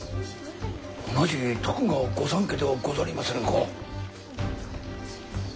同じ徳川御三家ではござりませぬか！